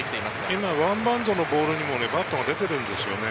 今、ワンバウンドのボールにも手が出ているんですよね。